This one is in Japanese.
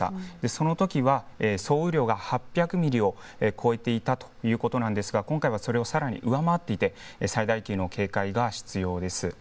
そのときは、総雨量が８００ミリを超えていたということなんですが、今回はそれをさらに上回っていて、最大級の警戒が必要です。